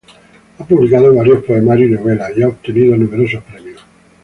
Ha publicado varios poemarios y novelas, y ha obtenido numerosos premios.